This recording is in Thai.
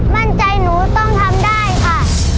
มั่นใจหนูต้องทำได้ค่ะ